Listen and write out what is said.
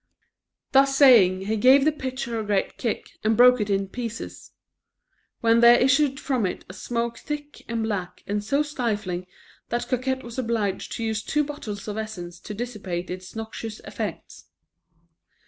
Thus saying, he gave the pitcher a great kick and broke it in pieces; when there issued from it a smoke thick and black, and so stifling that Coquette was obliged to use two bottles of essence to dissipate its noxious effects.